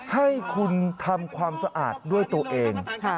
ให้คุณทำความสะอาดด้วยตัวเอง